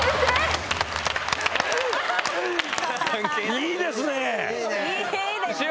いいですね！